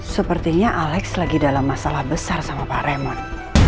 sepertinya alex lagi dalam masalah besar sama pak remote